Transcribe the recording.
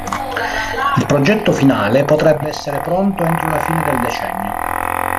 Il progetto finale potrebbe essere pronto entro la fine del decennio.